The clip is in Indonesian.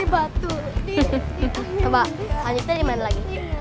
somba kalian dimana lagi